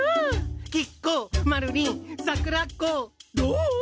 きっこまるりんさくらこどう？